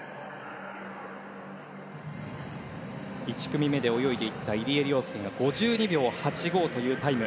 １組目で泳いでいった入江陵介が５２秒８５というタイム。